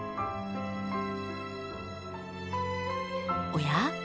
おや？